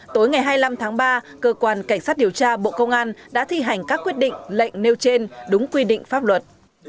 tối ngày hai mươi năm tháng ba cơ quan cảnh sát điều tra bộ công an đã thi hành các quyết định lệnh nêu trên đúng quy định pháp luật